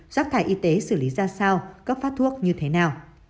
giác thải y tế xử lý ra sao các phát thuốc như thế nào